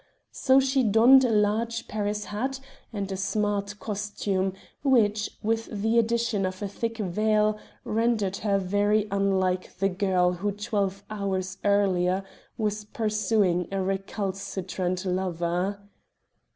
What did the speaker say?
So she donned a large Paris hat and a smart costume, which, with the addition of a thick veil, rendered her very unlike the girl who twelve hours earlier was pursuing a recalcitrant lover.